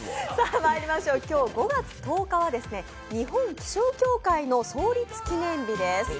今日５月１０日は日本気象協会の創立記念日です。